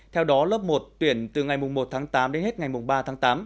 theo đó lớp một tuyển từ ngày một tháng tám đến hết ngày ba tháng tám